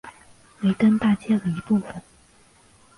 维登大街的一部分。